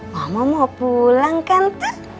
mama mau pulang kan